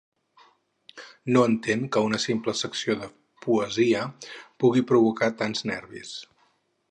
No entén que una simple secció de poesia pugui provocar tants nervis.